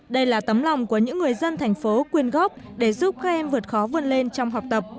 đây là tấm lòng của những người dân thành phố quyên góp để giúp các em vượt khó vươn lên trong học tập